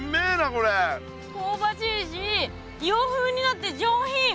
こうばしいし洋風になって上品。